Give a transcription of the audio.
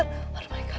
aduh mereka mereka